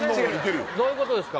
どういうことですか？